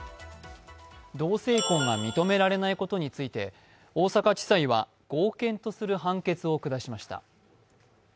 同性婚が認められないことについて大阪地裁は合憲とする判決を下しました。